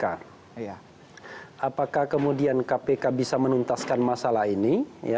apakah kemudian kpk bisa menuntaskan masalah ini